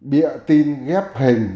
bịa tin ghép hình